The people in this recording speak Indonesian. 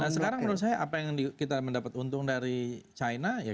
sekarang menurut saya